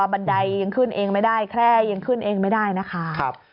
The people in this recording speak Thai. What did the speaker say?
บันไดยังขึ้นเองไม่ได้แค่ยังขึ้นเองไม่ได้นะคะ